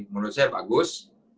menurut saya bagus